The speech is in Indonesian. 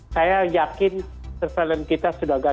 saya yakin surveillance kita sudah gagal